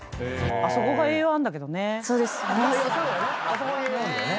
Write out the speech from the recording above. あそこが栄養あるんだよね。